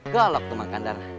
golok tuh mang kandar